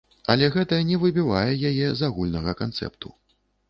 Але гэта не выбівае яе з агульнага канцэпту.